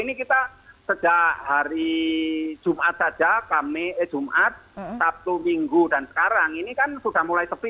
ini kita sejak hari jumat saja kami eh jumat sabtu minggu dan sekarang ini kan sudah mulai sepi